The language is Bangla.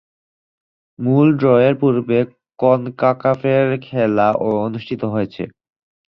মূল ড্রয়ের পূর্বে কনকাকাফের খেলা-ও অনুষ্ঠিত হয়েছে।